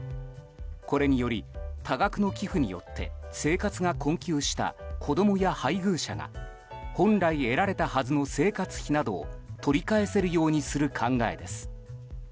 これにより、多額の寄付によって生活が困窮した子供や配偶者が本来得られたはずの生活費などを取り返せるようにする考えです。